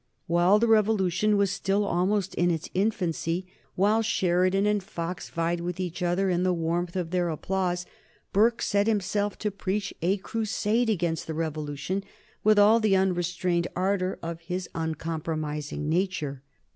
While the Revolution was still almost in its infancy, while Sheridan and Fox vied with each other in the warmth of their applause, Burke set himself to preach a crusade against the Revolution with all the unrestrained ardor of his uncompromising nature.